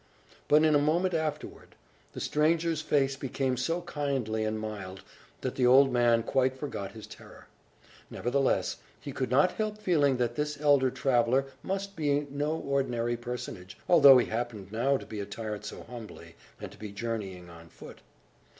But, in a moment afterward, the stranger's face became so kindly and mild, that the old man quite forgot his terror. Nevertheless, he could not help feeling that this elder traveller must be no ordinary personage, although he happened now to be attired so humbly and to be journeying on foot.